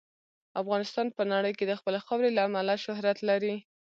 افغانستان په نړۍ کې د خپلې خاورې له امله شهرت لري.